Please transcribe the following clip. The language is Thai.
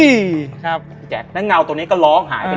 อุ้ยเชฟพี่แจ๊คแล้วเงาตรงนี้ก็ร้องหายไปเลย